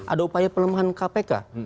ada upaya pelemahan kpk